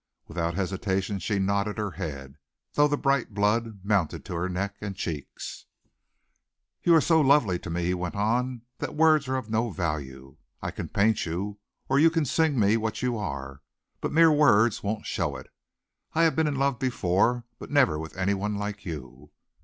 Without hesitation she nodded her head, though the bright blood mounted to her neck and cheeks. "You are so lovely to me," he went on, "that words are of no value. I can paint you. Or you can sing me what you are, but mere words won't show it. I have been in love before, but never with anyone like you."